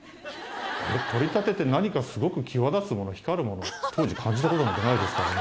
取り立てて何かスゴく際立つもの光るものを当時感じたことなんかないですからね。